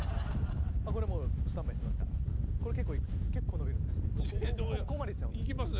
これもうスタンバイしてますからこれ結構伸びるんです！